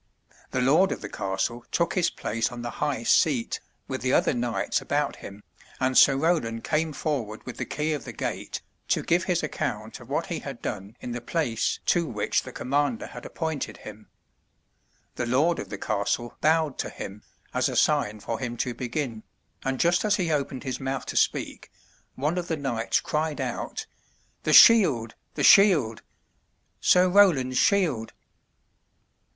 The lord of the castle took his place on the highest seat, with the other knights about him, and Sir Roland came forward with the key of the gate, to give his account of what he had done in the place to 210 THE TREASURE CHEST which the commander had appointed him. The lord of the castle bowed to him as a sign for him to begin, and just as he opened his mouth to speak, one of the knights cried out: "The shield! the shield! Sir Roland's shield!"